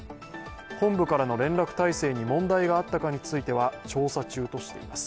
本部からの連絡体制に問題があったかについては調査中としています。